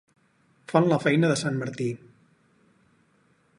Fan la feina de sant Martí.